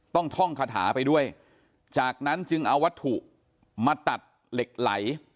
ท่องคาถาไปด้วยจากนั้นจึงเอาวัตถุมาตัดเหล็กไหล